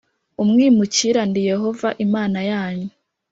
umwimukira ndi yehova imana yanyu